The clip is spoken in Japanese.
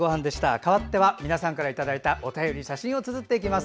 かわっては皆さんからいただいたお便り、写真をつづっていきます